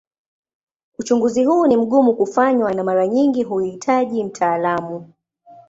Uchunguzi huu ni mgumu kufanywa na mara nyingi huhitaji mtaalamu.